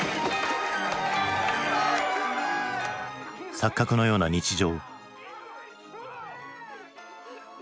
錯覚のような日常。